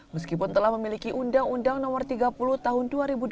meskipun telah memiliki undang undang no tiga puluh tahun dua ribu delapan